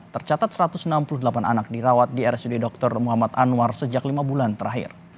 tercatat satu ratus enam puluh delapan anak dirawat di rsud dr muhammad anwar sejak lima bulan terakhir